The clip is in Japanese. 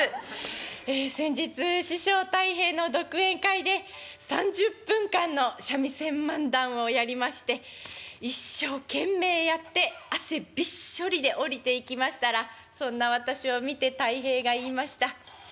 ええ先日師匠たい平の独演会で３０分間の三味線漫談をやりまして一生懸命やって汗びっしょりで降りていきましたらそんな私を見てたい平が言いました。